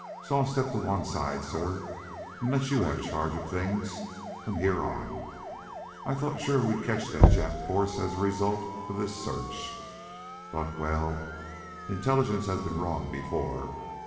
"So I'll step to one side, sir, and let you have charge of things from here on. I thought sure we would catch that Jap force as a result of this search, but well, Intelligence has been wrong before.